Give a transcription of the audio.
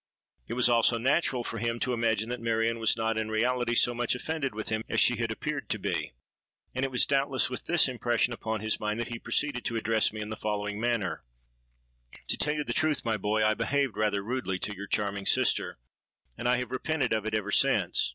It was also natural for him to imagine that Marion was not in reality so much offended with him as she had appeared to be; and it was doubtless with this impression upon his mind that he proceeded to address me in the following manner:—'To tell you the truth, my boy, I behaved rather rudely to your charming sister; and I have repented of it ever since.